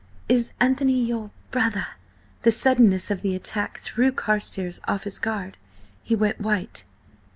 Is Anthony your brother?" The suddenness of the attack threw Carstares off his guard. He went white.